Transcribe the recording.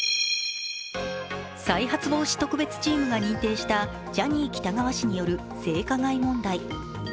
再発防止特別チームが認定したジャニー喜多川氏による性加害問題。